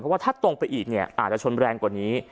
เพราะว่าถ้าตรงไปอีกเนี่ยอาจจะชนแรงกว่านี้